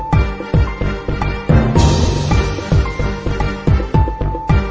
โหไม่จากทางด้านหลังเอารูแล้วเหรอครับ